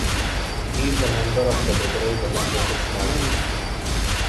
He is a member of the Liberal Democratic Party.